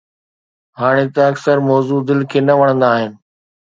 هاڻي ته اڪثر موضوع دل کي نه وڻندا آهن.